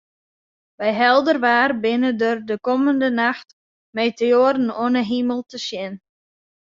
By helder waar binne der de kommende nacht meteoaren oan 'e himel te sjen.